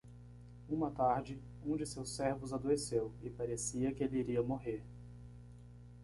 Uma tarde? um de seus servos adoeceu? e parecia que ele iria morrer.